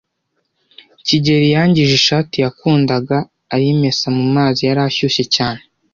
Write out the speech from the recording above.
kigeli yangije ishati yakundaga ayimesa mumazi yari ashyushye cyane.